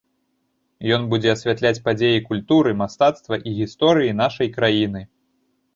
Ён будзе асвятляць падзеі культуры, мастацтва і гісторыі нашай краіны.